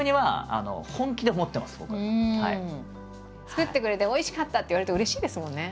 「作ってくれておいしかった」って言われるとうれしいですもんね。